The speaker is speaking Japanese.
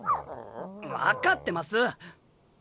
分かってますっ！